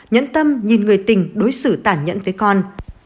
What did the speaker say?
nhẫn tâm nhìn người tình đối xử tản nhẫn với con